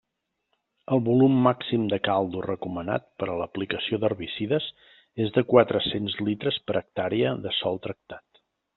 El volum màxim de caldo recomanat per a aplicació d'herbicides és de quatre-cents litres per hectàrea de sòl tractat.